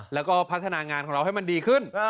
แล้วก็พัฒนางานของเราให้มันดีขึ้น